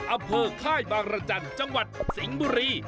อำเภอค่ายบางรจันทร์จังหวัดสิงห์บุรี